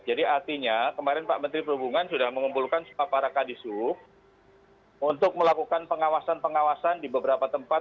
jadi artinya kemarin pak menteri berhubungan sudah mengumpulkan para kadisub untuk melakukan pengawasan pengawasan di beberapa tempat